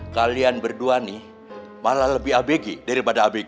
kalian berdua nih malah lebih abegi daripada abg